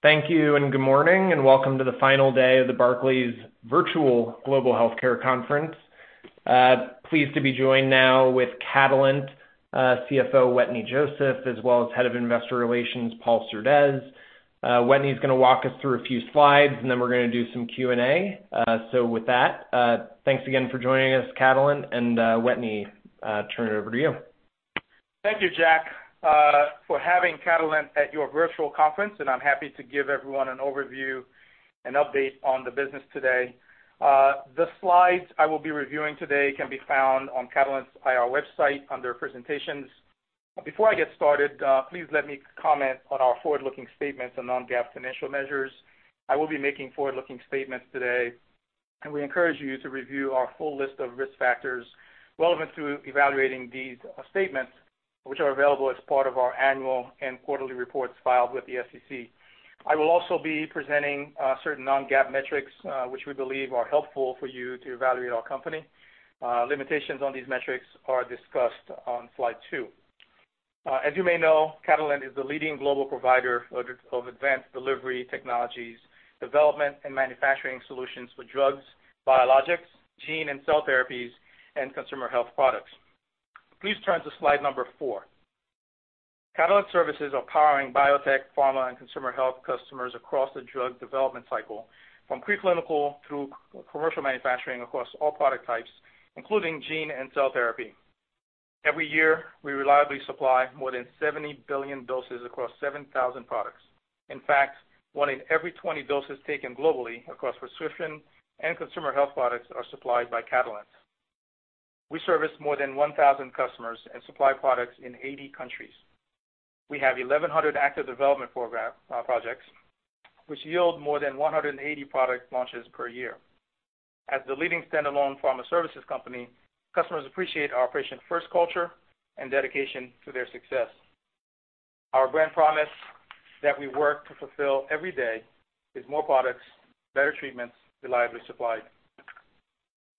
Thank you, and good morning, and welcome to the final day of the Barclays Virtual Global Healthcare conference. Pleased to be joined now with Catalent, CFO Wetteny Joseph, as well as Head of Investor Relations Paul Surdez. Wetteny is going to walk us through a few slides, and then we're going to do some Q&A. With that, thanks again for joining us, Catalent, and Wetteny, turn it over to you. Thank you, Jack, for having Catalent at your virtual conference, and I'm happy to give everyone an overview and update on the business today. The slides I will be reviewing today can be found on Catalent's IR website under Presentations. Before I get started, please let me comment on our forward-looking statements and non-GAAP financial measures. I will be making forward-looking statements today, and we encourage you to review our full list of risk factors relevant to evaluating these statements, which are available as part of our annual and quarterly reports filed with the SEC. I will also be presenting certain non-GAAP metrics, which we believe are helpful for you to evaluate our company. Limitations on these metrics are discussed on slide two. As you may know, Catalent is the leading global provider of advanced delivery technologies, development, and manufacturing solutions for drugs, biologics, gene and cell therapies, and consumer health products. Please turn to slide number four. Catalent Services are powering biotech, pharma, and consumer health customers across the drug development cycle, from preclinical through commercial manufacturing across all product types, including gene and cell therapy. Every year, we reliably supply more than 70 billion doses across 7,000 products. In fact, one in every 20 doses taken globally across prescription and consumer health products are supplied by Catalent. We service more than 1,000 customers and supply products in 80 countries. We have 1,100 active development projects, which yield more than 180 product launches per year. As the leading standalone pharma services company, customers appreciate our patient-first culture and dedication to their success. Our brand promise that we work to fulfill every day is more products, better treatments, reliably supplied.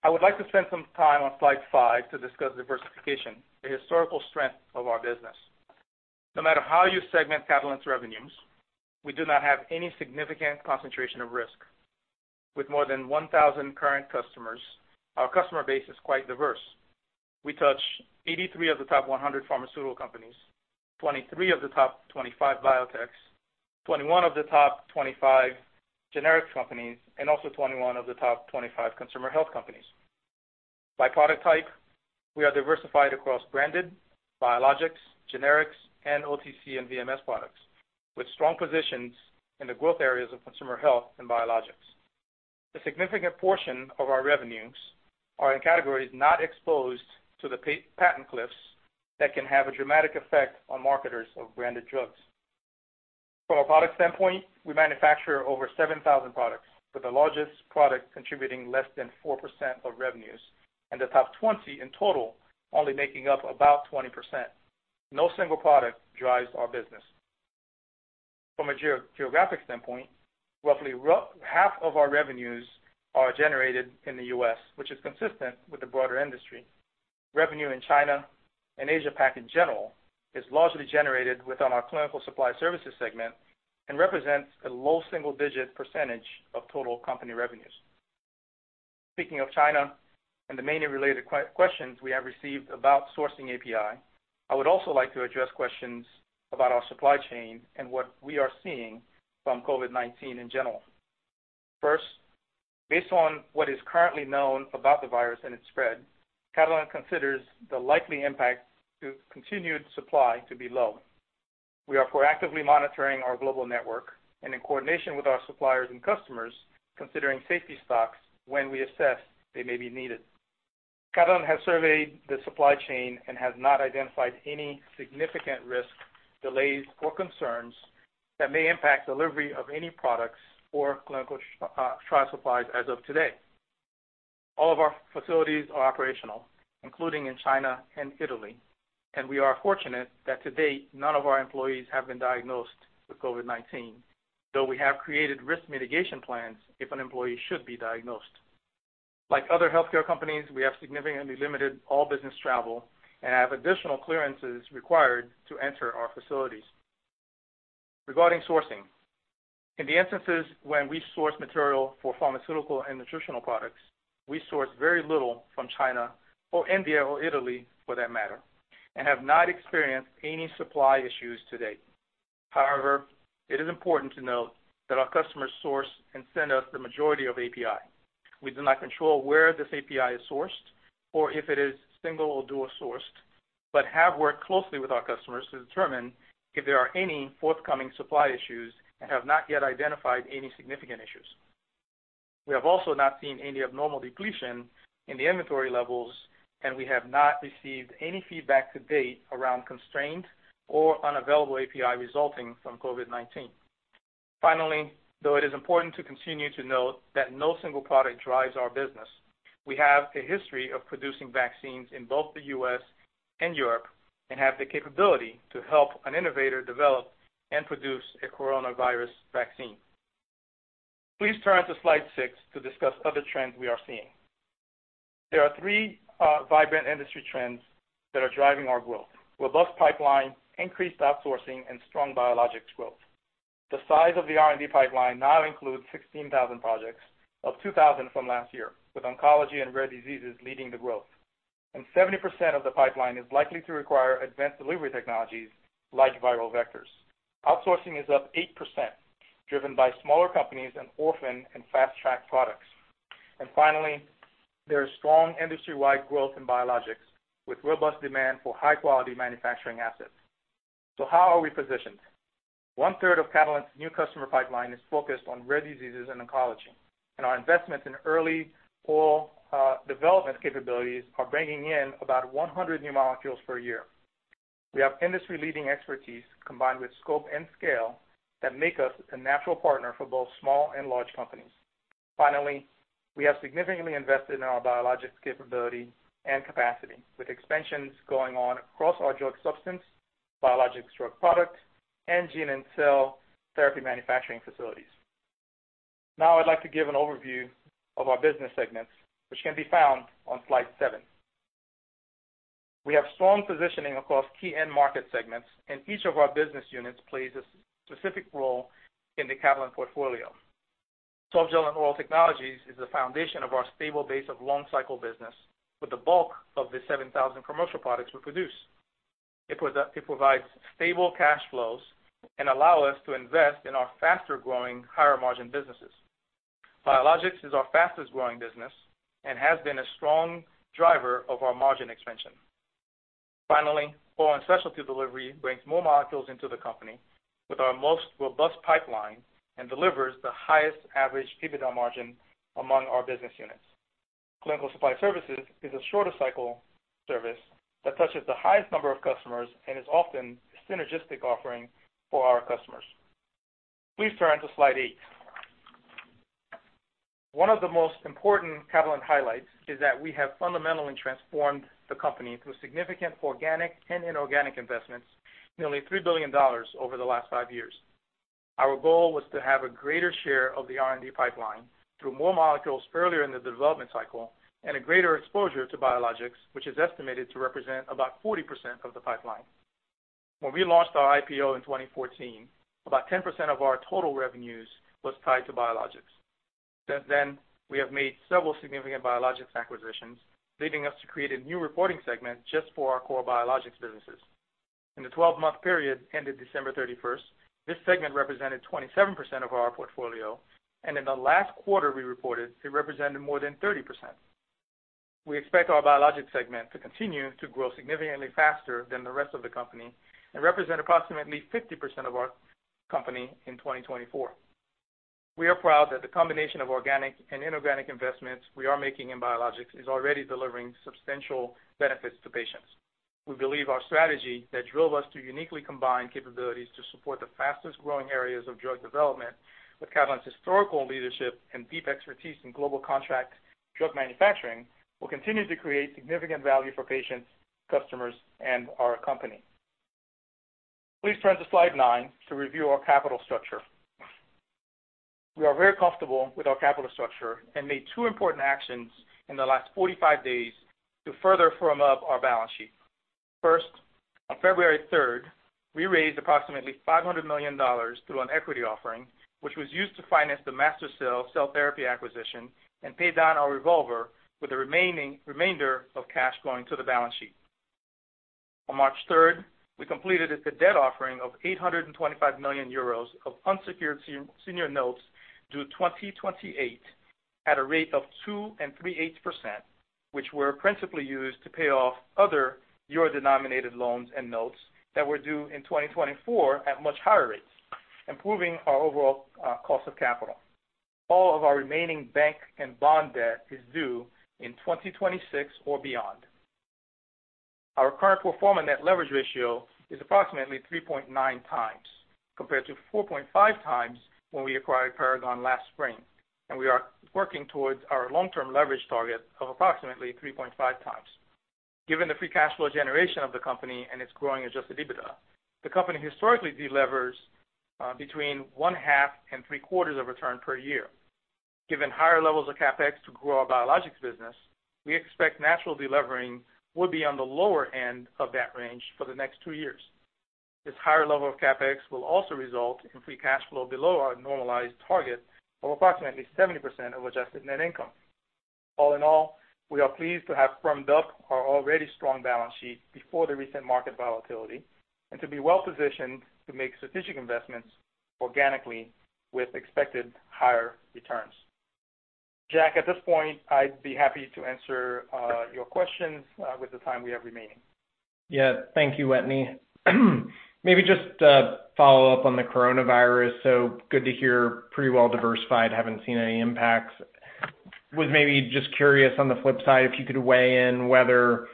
I would like to spend some time on slide five to discuss diversification, the historical strength of our business. No matter how you segment Catalent's revenues, we do not have any significant concentration of risk. With more than 1,000 current customers, our customer base is quite diverse. We touch 83 of the top 100 pharmaceutical companies, 23 of the top 25 biotechs, 21 of the top 25 generic companies, and also 21 of the top 25 consumer health companies. By product type, we are diversified across branded, biologics, generics, and OTC and VMS products, with strong positions in the growth areas of consumer health and biologics. A significant portion of our revenues are in categories not exposed to the patent cliffs that can have a dramatic effect on marketers of branded drugs. From a product standpoint, we manufacture over 7,000 products, with the largest product contributing less than 4% of revenues and the top 20 in total only making up about 20%. No single product drives our business. From a geographic standpoint, roughly half of our revenues are generated in the U.S., which is consistent with the broader industry. Revenue in China and Asia-Pac in general is largely generated within our Clinical Supply Services segment and represents a low single-digit % of total company revenues. Speaking of China and the mainly related questions we have received about sourcing API, I would also like to address questions about our supply chain and what we are seeing from COVID-19 in general. First, based on what is currently known about the virus and its spread, Catalent considers the likely impact to continued supply to be low. We are proactively monitoring our global network and, in coordination with our suppliers and customers, considering safety stocks when we assess they may be needed. Catalent has surveyed the supply chain and has not identified any significant risk, delays, or concerns that may impact delivery of any products or clinical trial supplies as of today. All of our facilities are operational, including in China and Italy, and we are fortunate that to date none of our employees have been diagnosed with COVID-19, though we have created risk mitigation plans if an employee should be diagnosed. Like other healthcare companies, we have significantly limited all business travel and have additional clearances required to enter our facilities. Regarding sourcing, in the instances when we source material for pharmaceutical and nutritional products, we source very little from China or India or Italy for that matter and have not experienced any supply issues to date. However, it is important to note that our customers source and send us the majority of API. We do not control where this API is sourced or if it is single or dual-sourced, but have worked closely with our customers to determine if there are any forthcoming supply issues and have not yet identified any significant issues. We have also not seen any abnormal depletion in the inventory levels, and we have not received any feedback to date around constrained or unavailable API resulting from COVID-19. Finally, though it is important to continue to note that no single product drives our business, we have a history of producing vaccines in both the U.S. and Europe and have the capability to help an innovator develop and produce a coronavirus vaccine. Please turn to slide six to discuss other trends we are seeing. There are three vibrant industry trends that are driving our growth: robust pipeline, increased outsourcing, and strong biologics growth. The size of the R&D pipeline now includes 16,000 projects up 2,000 from last year, with oncology and rare diseases leading the growth. And 70% of the pipeline is likely to require advanced delivery technologies like viral vectors. Outsourcing is up 8%, driven by smaller companies and orphan and fast-track products. And finally, there is strong industry-wide growth in biologics, with robust demand for high-quality manufacturing assets. So how are we positioned? One-third of Catalent's new customer pipeline is focused on rare diseases and oncology, and our investments in early oral development capabilities are bringing in about 100 new molecules per year. We have industry-leading expertise combined with scope and scale that make us a natural partner for both small and large companies. Finally, we have significantly invested in our biologics capability and capacity, with expansions going on across our drug substance, biologics drug product, and gene and cell therapy manufacturing facilities. Now I'd like to give an overview of our business segments, which can be found on slide 7. We have strong positioning across key end market segments, and each of our business units plays a specific role in the Catalent portfolio. Softgel and Oral Technologies is the foundation of our stable base of long-cycle business, with the bulk of the 7,000 commercial products we produce. It provides stable cash flows and allows us to invest in our faster-growing, higher-margin businesses. Biologics is our fastest-growing business and has been a strong driver of our margin expansion. Finally, Oral and Specialty Delivery brings more molecules into the company with our most robust pipeline and delivers the highest average EBITDA margin among our business units. Clinical Supply Services is a shorter-cycle service that touches the highest number of customers and is often a synergistic offering for our customers. Please turn to slide eight. One of the most important Catalent highlights is that we have fundamentally transformed the company through significant organic and inorganic investments, nearly $3 billion over the last five years. Our goal was to have a greater share of the R&D pipeline through more molecules earlier in the development cycle and a greater exposure to biologics, which is estimated to represent about 40% of the pipeline. When we launched our IPO in 2014, about 10% of our total revenues was tied to biologics. Since then, we have made several significant biologics acquisitions, leading us to create a new reporting segment just for our core biologics businesses. In the 12-month period ended December 31st, this segment represented 27% of our portfolio, and in the last quarter we reported, it represented more than 30%. We expect our biologics segment to continue to grow significantly faster than the rest of the company and represent approximately 50% of our company in 2024. We are proud that the combination of organic and inorganic investments we are making in biologics is already delivering substantial benefits to patients. We believe our strategy that drove us to uniquely combine capabilities to support the fastest-growing areas of drug development with Catalent's historical leadership and deep expertise in global contract drug manufacturing will continue to create significant value for patients, customers, and our company. Please turn to slide nine to review our capital structure. We are very comfortable with our capital structure and made two important actions in the last 45 days to further firm up our balance sheet. First, on February 3rd, we raised approximately $500 million through an equity offering, which was used to finance the MaSTherCell cell therapy acquisition and pay down our revolver with the remainder of cash going to the balance sheet. On March 3rd, we completed a debt offering of 825 million euros of unsecured senior notes due 2028 at a rate of 2.8%, which were principally used to pay off other euro-denominated loans and notes that were due in 2024 at much higher rates, improving our overall cost of capital. All of our remaining bank and bond debt is due in 2026 or beyond. Our current pro forma leverage ratio is approximately 3.9x compared to 4.5x when we acquired Paragon last spring, and we are working towards our long-term leverage target of approximately 3.5x. Given the free cash flow generation of the company and its growing adjusted EBITDA, the company historically delivers between 0.5 and 0.75 turns of deleveraging per year. Given higher levels of CapEx to grow our biologics business, we expect deleveraging would be on the lower end of that range for the next two years. This higher level of CapEx will also result in free cash flow below our normalized target of approximately 70% of adjusted net income. All in all, we are pleased to have firmed up our already strong balance sheet before the recent market volatility and to be well-positioned to make strategic investments organically with expected higher returns. Jack, at this point, I'd be happy to answer your questions with the time we have remaining. Yeah, thank you, Wetteny. Maybe just follow up on the coronavirus. So good to hear pretty well diversified, haven't seen any impacts. I was maybe just curious on the flip side if you could weigh in whether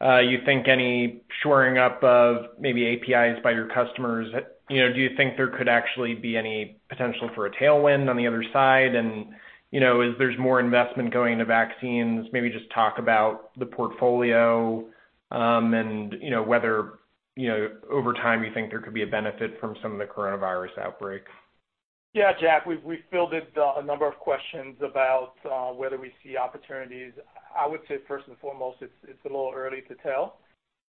you think any shoring up of maybe APIs by your customers. Do you think there could actually be any potential for a tailwind on the other side? And if there's more investment going into vaccines, maybe just talk about the portfolio and whether over time you think there could be a benefit from some of the coronavirus outbreak. Yeah, Jack, we've fielded a number of questions about whether we see opportunities. I would say first and foremost, it's a little early to tell.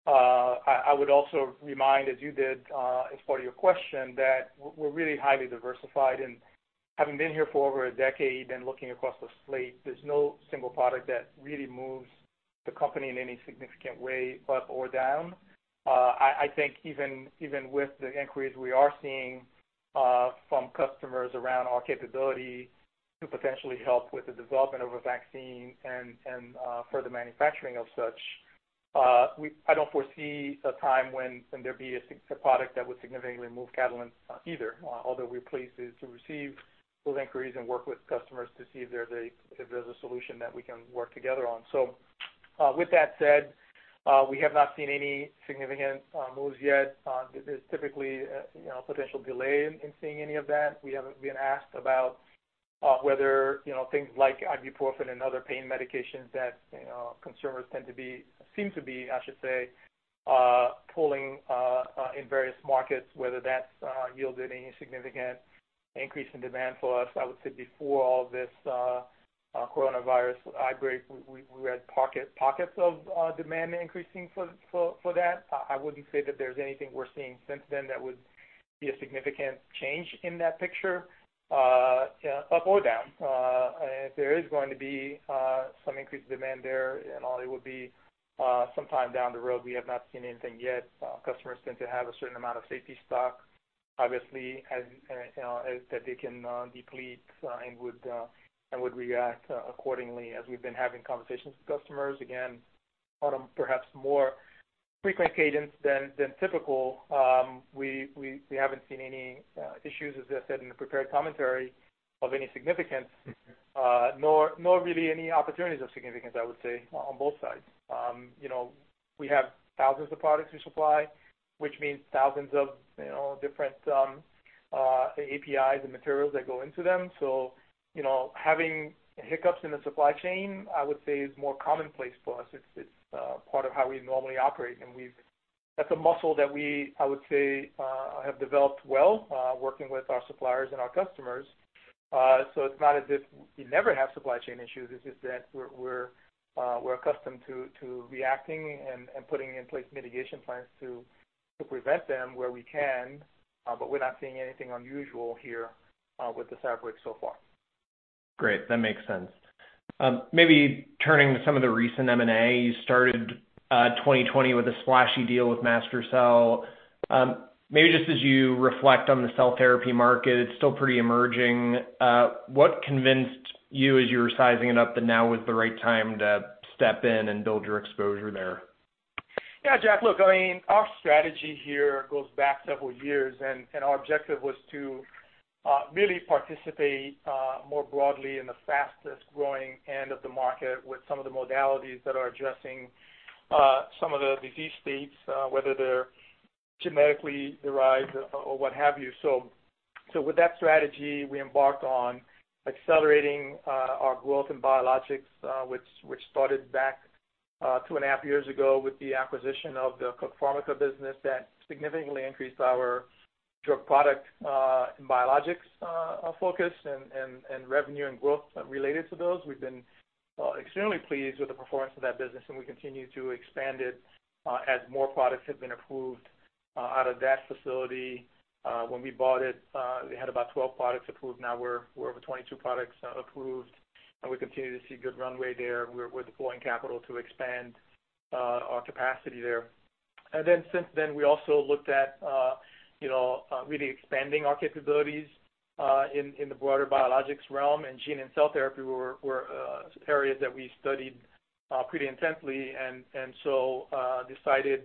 I would also remind, as you did as part of your question, that we're really highly diversified. And having been here for over a decade and looking across the slate, there's no single product that really moves the company in any significant way up or down. I think even with the inquiries we are seeing from customers around our capability to potentially help with the development of a vaccine and further manufacturing of such, I don't foresee a time when there'd be a product that would significantly move Catalent either, although we're pleased to receive those inquiries and work with customers to see if there's a solution that we can work together on. So with that said, we have not seen any significant moves yet. There's typically a potential delay in seeing any of that. We have been asked about whether things like ibuprofen and other pain medications that consumers tend to be, seem to be, I should say, pulling in various markets, whether that's yielded any significant increase in demand for us. I would say before all of this coronavirus outbreak, we had pockets of demand increasing for that. I wouldn't say that there's anything we're seeing since then that would be a significant change in that picture up or down. If there is going to be some increased demand there, it would be sometime down the road. We have not seen anything yet. Customers tend to have a certain amount of safety stock, obviously, that they can deplete and would react accordingly. As we've been having conversations with customers, again, on a perhaps more frequent cadence than typical, we haven't seen any issues, as I said, in the prepared commentary of any significance, nor really any opportunities of significance, I would say, on both sides. We have thousands of products we supply, which means thousands of different APIs and materials that go into them. So having hiccups in the supply chain, I would say, is more commonplace for us. It's part of how we normally operate. And that's a muscle that we, I would say, have developed well working with our suppliers and our customers. So it's not as if we never have supply chain issues. It's just that we're accustomed to reacting and putting in place mitigation plans to prevent them where we can, but we're not seeing anything unusual here with this outbreak so far. Great. That makes sense. Maybe turning to some of the recent M&A, you started 2020 with a splashy deal with MaSTherCell. Maybe just as you reflect on the cell therapy market, it's still pretty emerging. What convinced you as you were sizing it up that now was the right time to step in and build your exposure there? Yeah, Jack, look, I mean, our strategy here goes back several years, and our objective was to really participate more broadly in the fastest-growing end of the market with some of the modalities that are addressing some of the disease states, whether they're genetically derived or what have you. So with that strategy, we embarked on accelerating our growth in biologics, which started back two and a half years ago with the acquisition of the Cook Pharmica business that significantly increased our drug product and biologics focus and revenue and growth related to those. We've been extremely pleased with the performance of that business, and we continue to expand it as more products have been approved out of that facility. When we bought it, they had about 12 products approved. Now we're over 22 products approved, and we continue to see good runway there. We're deploying capital to expand our capacity there. And then since then, we also looked at really expanding our capabilities in the broader biologics realm. And gene and cell therapy were areas that we studied pretty intensely. And so decided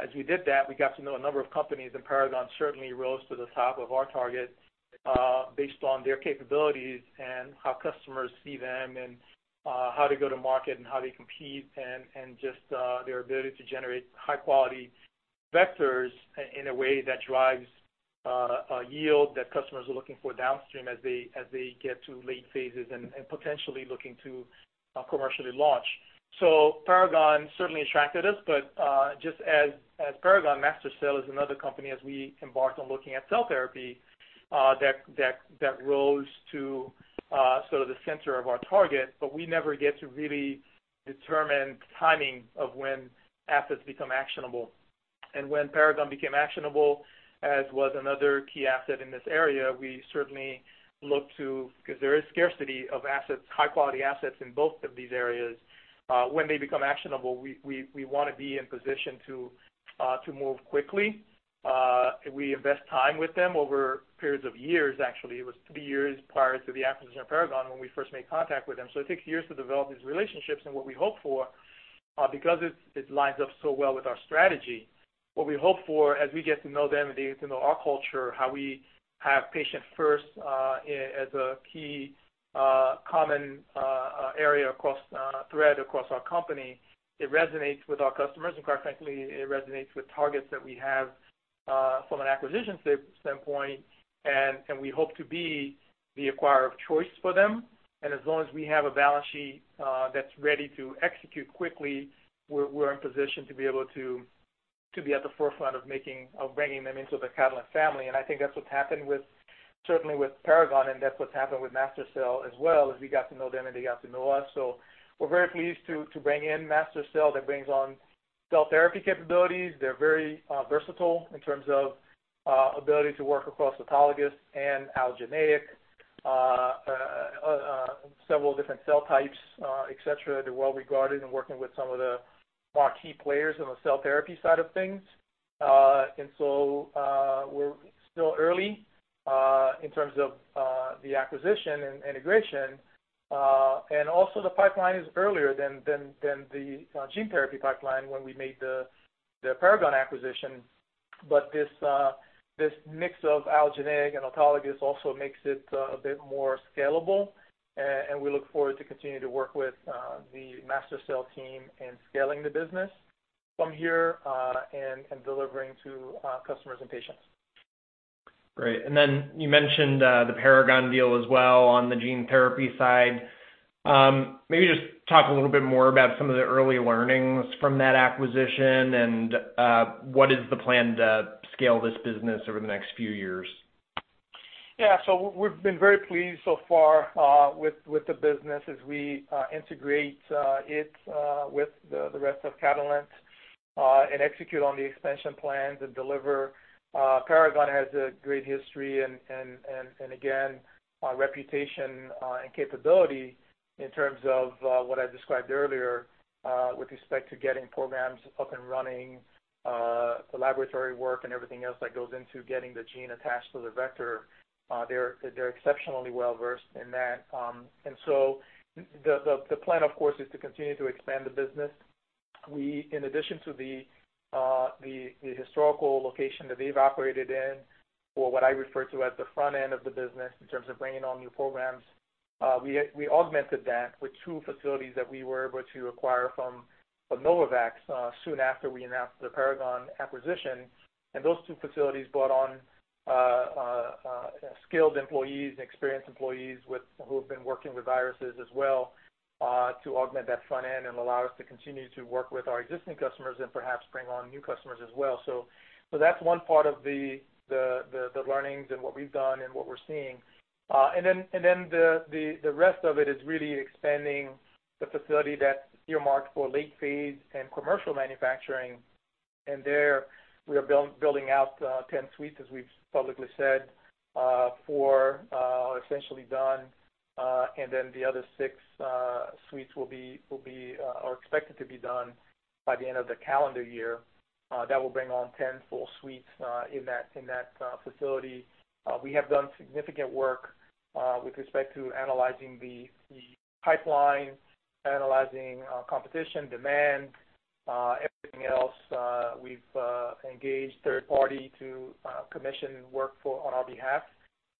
as we did that, we got to know a number of companies, and Paragon certainly rose to the top of our target based on their capabilities and how customers see them and how they go to market and how they compete and just their ability to generate high-quality vectors in a way that drives a yield that customers are looking for downstream as they get to late phases and potentially looking to commercially launch. So, Paragon certainly attracted us, but just as Paragon, MaSTherCell is another company as we embarked on looking at cell therapy that rose to sort of the center of our target, but we never get to really determine timing of when assets become actionable. And when Paragon became actionable, as was another key asset in this area, we certainly looked to because there is scarcity of high-quality assets in both of these areas. When they become actionable, we want to be in position to move quickly. We invest time with them over periods of years. Actually, it was three years prior to the acquisition of Paragon when we first made contact with them. So it takes years to develop these relationships, and what we hope for, because it lines up so well with our strategy, what we hope for as we get to know them and they get to know our culture, how we have patient-first as a key common thread across our company, it resonates with our customers and, quite frankly, it resonates with targets that we have from an acquisition standpoint. And we hope to be the acquirer of choice for them. And as long as we have a balance sheet that's ready to execute quickly, we're in position to be able to be at the forefront of bringing them into the Catalent family. And I think that's what's happened certainly with Paragon, and that's what's happened with MaSTherCell as well as we got to know them and they get to know us. We're very pleased to bring in MaSTherCell that brings on cell therapy capabilities. They're very versatile in terms of ability to work across autologous and allogeneic, several different cell types, etc. They're well regarded in working with some of the more key players on the cell therapy side of things. And so we're still early in terms of the acquisition and integration. And also, the pipeline is earlier than the gene therapy pipeline when we made the Paragon acquisition. But this mix of allogeneic and autologous also makes it a bit more scalable, and we look forward to continuing to work with the MaSTherCell team in scaling the business from here and delivering to customers and patients. Great. And then you mentioned the Paragon deal as well on the gene therapy side. Maybe just talk a little bit more about some of the early learnings from that acquisition and what is the plan to scale this business over the next few years? Yeah. So we've been very pleased so far with the business as we integrate it with the rest of Catalent and execute on the expansion plans and deliver. Paragon has a great history and, again, reputation and capability in terms of what I described earlier with respect to getting programs up and running, the laboratory work, and everything else that goes into getting the gene attached to the vector. They're exceptionally well versed in that, and so the plan, of course, is to continue to expand the business. In addition to the historical location that they've operated in or what I refer to as the front end of the business in terms of bringing on new programs, we augmented that with two facilities that we were able to acquire from Novavax soon after we announced the Paragon acquisition. And those two facilities brought on skilled employees and experienced employees who have been working with viruses as well to augment that front end and allow us to continue to work with our existing customers and perhaps bring on new customers as well. So that's one part of the learnings and what we've done and what we're seeing. And then the rest of it is really expanding the facility that's earmarked for late phase and commercial manufacturing. And there, we are building out 10 suites, as we've publicly said, for essentially done. And then the other six suites will be, or expected to be done, by the end of the calendar year. That will bring on 10 full suites in that facility. We have done significant work with respect to analyzing the pipeline, analyzing competition, demand, everything else. We've engaged third-party to commission work on our behalf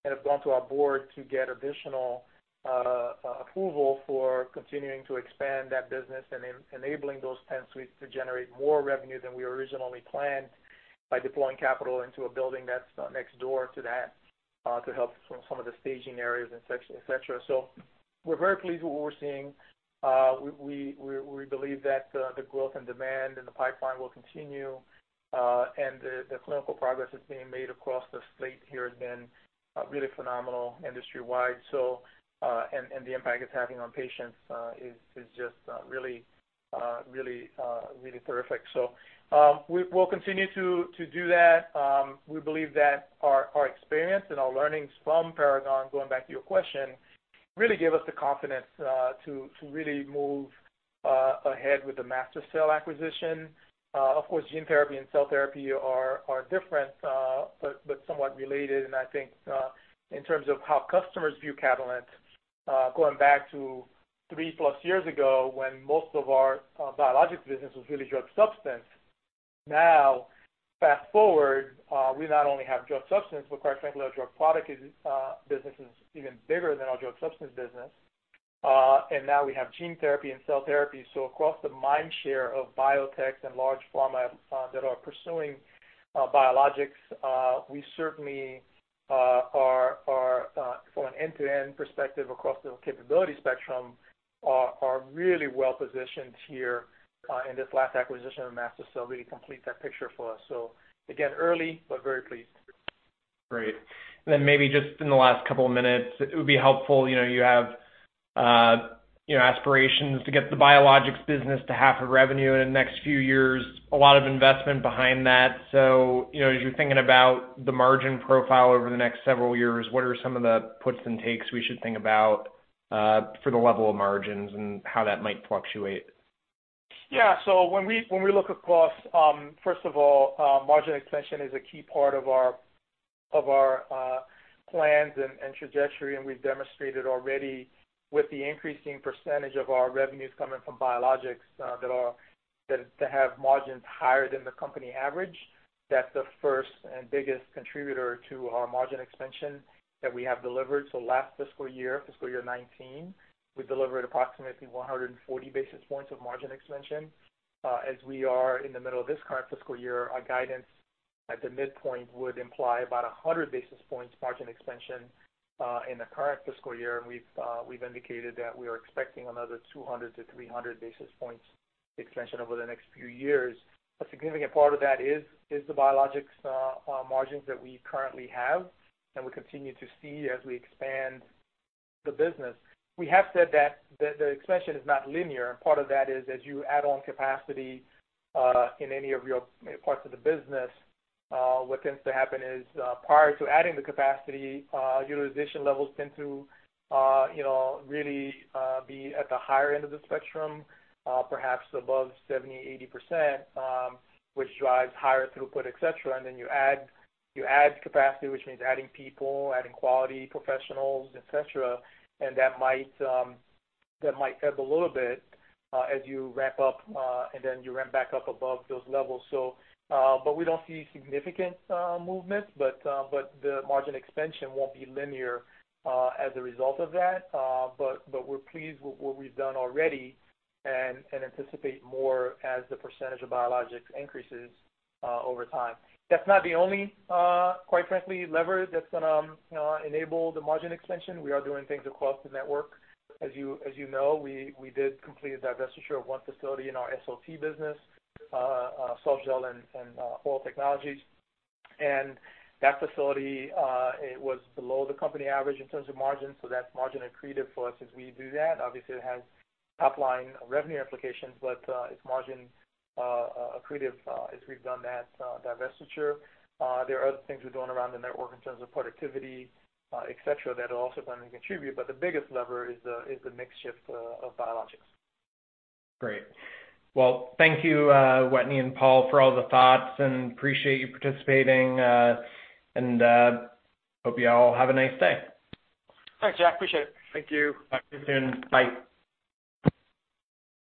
and have gone to our board to get additional approval for continuing to expand that business and enabling those 10 suites to generate more revenue than we originally planned by deploying capital into a building that's next door to that to help some of the staging areas, etc. So we're very pleased with what we're seeing. We believe that the growth and demand and the pipeline will continue. And the clinical progress that's being made across the slate here has been really phenomenal industry-wide. The impact it's having on patients is just really, really, really terrific. We'll continue to do that. We believe that our experience and our learnings from Paragon, going back to your question, really give us the confidence to really move ahead with the MaSTherCell acquisition. Of course, gene therapy and cell therapy are different but somewhat related. I think in terms of how customers view Catalent, going back to three-plus years ago when most of our biologics business was really drug substance, now, fast forward, we not only have drug substance, but quite frankly, our drug product business is even bigger than our drug substance business. Now we have gene therapy and cell therapy. So across the mind share of biotechs and large pharma that are pursuing biologics, we certainly are, from an end-to-end perspective across the capability spectrum, really well positioned here in this last acquisition of MaSTherCell. Really complete that picture for us. So again, early, but very pleased. Great. And then maybe just in the last couple of minutes, it would be helpful. You have aspirations to get the biologics business to half of revenue in the next few years, a lot of investment behind that. So as you're thinking about the margin profile over the next several years, what are some of the puts and takes we should think about for the level of margins and how that might fluctuate? Yeah. So when we look across, first of all, margin extension is a key part of our plans and trajectory. We've demonstrated already with the increasing percentage of our revenues coming from biologics that have margins higher than the company average. That's the first and biggest contributor to our margin expansion that we have delivered. Last fiscal year, fiscal year 2019, we delivered approximately 140 basis points of margin expansion. As we are in the middle of this current fiscal year, our guidance at the midpoint would imply about 100 basis points margin expansion in the current fiscal year. We've indicated that we are expecting another 200-300 basis points expansion over the next few years. A significant part of that is the biologics margins that we currently have, and we continue to see as we expand the business. We have said that the expansion is not linear. And part of that is, as you add on capacity in any of your parts of the business, what tends to happen is prior to adding the capacity, utilization levels tend to really be at the higher end of the spectrum, perhaps above 70%-80%, which drives higher throughput, etc. And then you add capacity, which means adding people, adding quality professionals, etc. And that might ebb a little bit as you ramp up and then you ramp back up above those levels. But we don't see significant movements, but the margin expansion won't be linear as a result of that. But we're pleased with what we've done already and anticipate more as the percentage of biologics increases over time. That's not the only, quite frankly, lever that's going to enable the margin expansion. We are doing things across the network. As you know, we did complete a divestiture of one facility in our SOT business, Softgel and Oral Technologies. And that facility, it was below the company average in terms of margin. So that's margin accretive for us as we do that. Obviously, it has top-line revenue implications, but it's margin accretive as we've done that divestiture. There are other things we're doing around the network in terms of productivity, etc., that are also going to contribute. But the biggest lever is the mix shift of biologics. Great. Well, thank you, Wetteny and Paul, for all the thoughts and appreciate you participating. And hope you all have a nice day. Thanks, Jack. Appreciate it. Thank you. Talk to you soon. Bye.